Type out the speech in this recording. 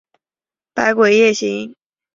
百鬼夜行。